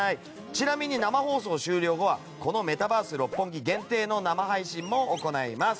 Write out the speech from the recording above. ちなみに生放送終了後はメタバース六本木限定の生配信も行います。